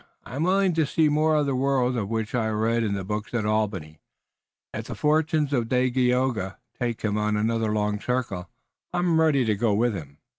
I am willing to see more of the world of which I read in the books at Albany. If the fortunes of Dagaeoga take him on another long circle I am ready to go with him."